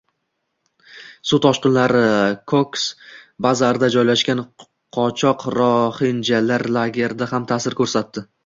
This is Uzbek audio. Suv toshqinlari Koks-Bazarda joylashgan qochoq-rohinjalar lageriga ham ta’sir ko‘rsatdi